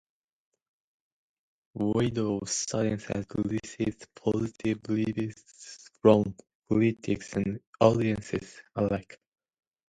Widow of Silence has received positive reviews from critics and audiences alike.